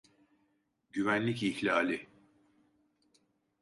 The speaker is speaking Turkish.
Güvenlik ihlali.